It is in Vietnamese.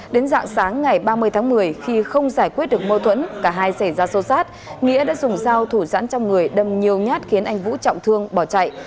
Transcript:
đến dạng sáng ngày ba mươi tháng một mươi khi không giải quyết được mâu thuẫn cả hai xảy ra sâu sát nghĩa đã dùng dao thủ dãn trong người đâm nhiều nhát khiến anh vũ trọng thương bỏ chạy